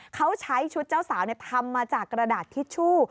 เขาใช้ชุดเจ้าสาวทำมาจากกระดาษทิชชู่